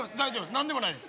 何でもないです